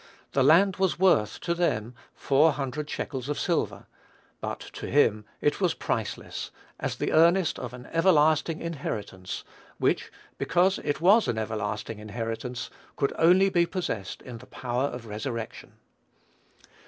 "The land was worth" to them "four hundred shekels of silver," but to him it was priceless, as the earnest of an everlasting inheritance, which, because it was an everlasting inheritance, could only be possessed in the power of resurrection.